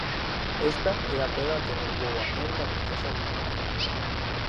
Esta é a pega que roubou o anel da princesa do Caurel.